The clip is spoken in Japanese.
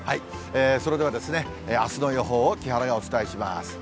それでは、あすの予報を木原がお伝えします。